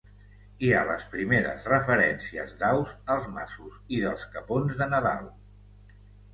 Hi ha les primeres referències d'aus als masos i dels capons de Nadal.